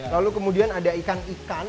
lalu kemudian ada ikan ikan